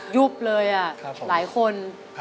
ยุบเลยหลายคน